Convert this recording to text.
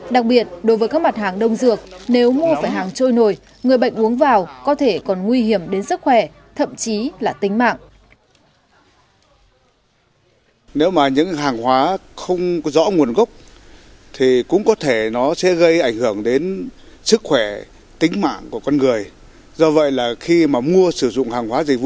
đặc biệt đối với các mặt hàng đông dược nếu mua phải hàng trôi nồi người bệnh uống vào có thể còn nguy hiểm đến sức khỏe thậm chí là tính mạng